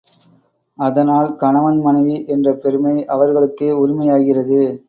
அதனால் கணவன் மனைவி என்ற பெருமை அவர்களுக்கே உரிமை ஆகிறது.